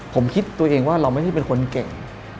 ผมคิดตัวเองว่าเราไม่ได้เป็นคนเก่ง